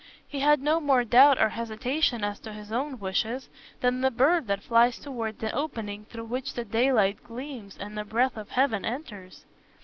He had no more doubt or hesitation as to his own wishes than the bird that flies towards the opening through which the daylight gleams and the breath of heaven enters.